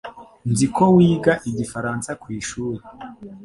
Nzi ko wiga igifaransa kwishuri.